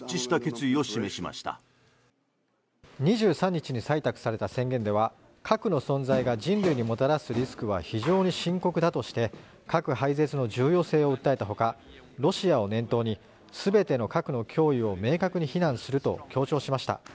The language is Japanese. ２３日に採択された宣言では核の存在が人類にもたらすリスクは非常に深刻だとして核廃絶の重要性を訴えたほかロシアを念頭に全ての核の脅威を明確に非難すると強調しました。